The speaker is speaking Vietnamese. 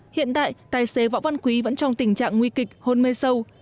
hiện tại tài xế võ văn quý vẫn trong tình trạng nguy kịch hôn mê sâu